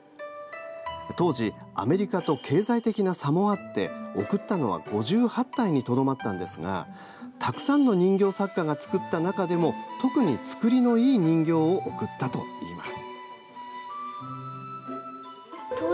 当時アメリカと経済的な差もあって贈ったのは５８体にとどまったんですがたくさんの人形作家が作った中でも特に作りのいい人形を贈ったといいます。